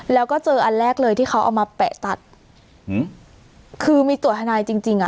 แล้วก็เจออันแรกเลยที่เขาเอามาแปะตัดอืมคือมีตัวทนายจริงจริงอ่ะ